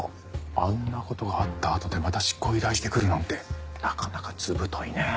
あんな事があったあとでまた執行を依頼してくるなんてなかなか図太いねえ。